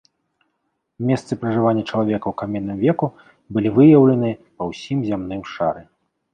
Месцы пражывання чалавека ў каменным веку былі выяўленыя па ўсім зямным шары.